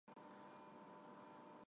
Վանքը եղել է գրչության կենտրոն։